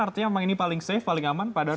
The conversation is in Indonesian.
artinya memang ini paling safe paling aman pak doni